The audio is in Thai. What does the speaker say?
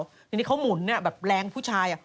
แล้วนี่เขามุนแบบแรงผู้ชาย